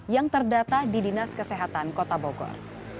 yang terdata di dinas kesehatan kota bogor